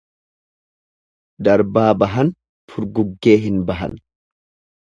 Darbaa bahan furguggee hin bahan.